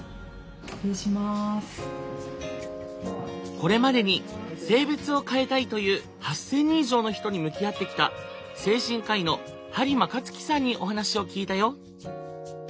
これまでに性別を変えたいという８，０００人以上の人に向き合ってきた精神科医の針間克己さんにお話を聞いたよ。